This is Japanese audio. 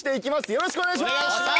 よろしくお願いします。